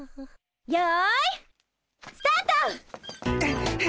よいスタート！